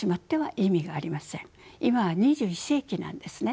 今は２１世紀なんですね。